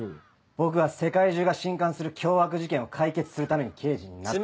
僕は世界中が震撼する凶悪事件を解決するために刑事になった。